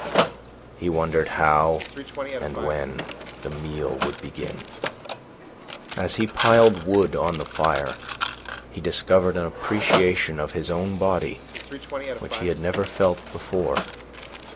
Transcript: He wondered how and when the meal would begin. As he piled wood on the fire he discovered an appreciation of his own body which he had never felt before.